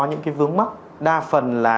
những cái vướng mắt đa phần là